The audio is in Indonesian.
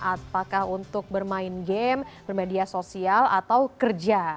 apakah untuk bermain game bermedia sosial atau kerja